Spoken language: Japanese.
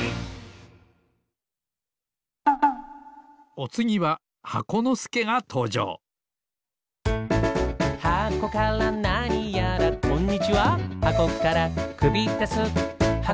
おつぎは箱のすけがとうじょうこんにちは。